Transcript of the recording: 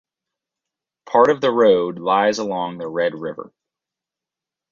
Part of the road lies along the Red River.